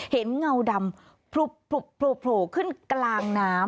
เงาดำโผล่ขึ้นกลางน้ำ